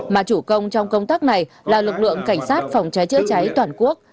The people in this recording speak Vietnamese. mà chủ công trong công tác này là lực lượng cảnh sát phòng cháy chữa cháy toàn quốc